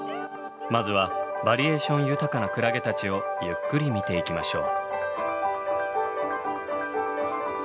まずはバリエーション豊かなクラゲたちをゆっくり見ていきましょう。